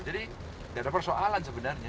jadi tidak ada persoalan sebenarnya